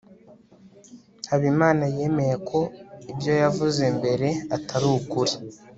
habimana yemeye ko ibyo yavuze mbere atari ukuri